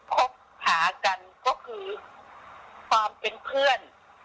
คบหากันก็คือความเป็นเพื่อน